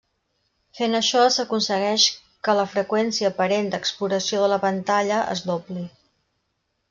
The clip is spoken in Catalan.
Fent això s'aconsegueix que la freqüència aparent d'exploració de la pantalla es dobli.